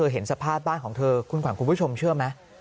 เห็นสภาพบ้านของเธอคุณขวัญคุณผู้ชมเชื่อไหม